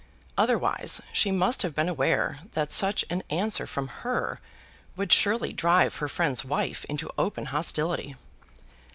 Otherwise, she must have been aware that such an answer from her would surely drive her friend's wife into open hostility.